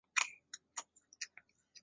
本剧亦为坂口健太郎的初次主演剧作。